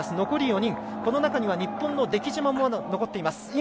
残り４人この中には日本の出来島も残っています。